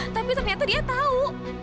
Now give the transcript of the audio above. tapi ternyata dia tahu